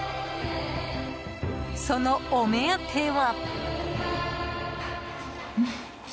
その、お目当ては。